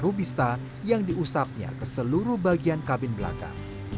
dan juga menggunakan kabel kasta yang diusapnya ke seluruh bagian kabin belakang